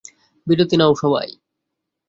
বিরতি নাও সবাই!